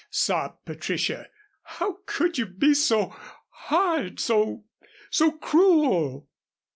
sobbed Patricia. "How could you be so hard so so cruel?"